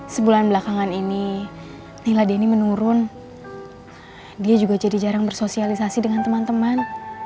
sebulan belakangan ini nila denny menurun dia juga jadi jarang bersosialisasi dengan teman teman